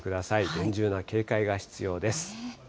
厳重な警戒が必要です。